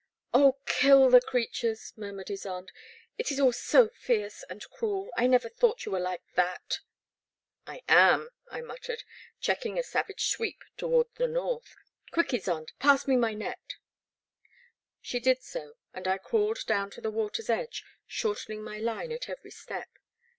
0h, kill the creatures, murmured Ysonde, '* it is all so fierce and cruel, — I never thought you were like that !'I am, I muttered, checking a savage sweep toward the north, —quick, Ysonde — ^pass me my net. She did so, and I crawled down to the water's edge, shortening my line at every step.